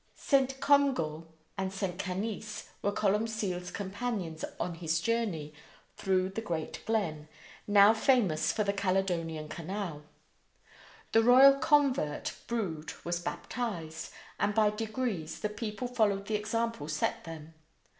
St. Comgall and St. Canice were Columcille's companions on his journey through the great glen, now famous for the Caledonian Canal. The royal convert Brude was baptized, and by degrees the people followed the example set them.